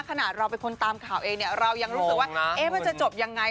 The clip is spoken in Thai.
ขนาดเราเป็นคนตามข่าวเองเนี่ยเรายังรู้สึกว่ามันจะจบยังไง